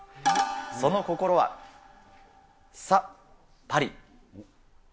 その心は、さ、パリ。